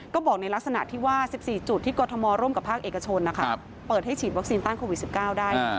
ก็บอกในลักษณะที่ว่า๑๔จุดที่กรทมร่วมกับภาคเอกชนเปิดให้ฉีดวัคซีนต้านโควิด๑๙ได้